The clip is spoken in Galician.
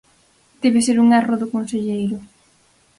Debe ser un erro do conselleiro.